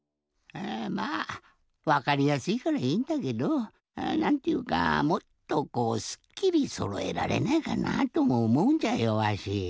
まあわかりやすいからいいんだけどなんていうかもっとこうすっきりそろえられないかなぁともおもうんじゃよわし。